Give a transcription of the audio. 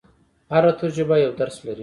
هره تجربه یو درس لري.